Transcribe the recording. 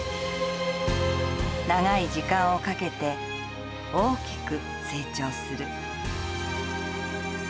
長い時間をかけて大きく成長する。